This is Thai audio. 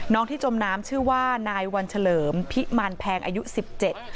ที่จมน้ำชื่อว่านายวันเฉลิมพิมารแพงอายุสิบเจ็ด